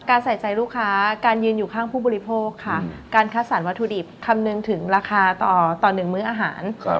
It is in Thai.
ใส่ใจลูกค้าการยืนอยู่ข้างผู้บริโภคค่ะการคัดสรรวัตถุดิบคำนึงถึงราคาต่อ๑มื้ออาหาร